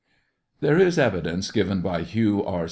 There is evidence given by Hugh R.